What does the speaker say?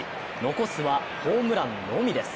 残すはホームランのみです。